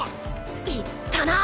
言ったな！